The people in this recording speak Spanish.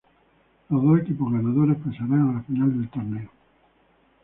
Los dos equipos ganadores pasaran a la final del torneo.